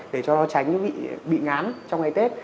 để cho nó tránh bị ngán trong ngày tết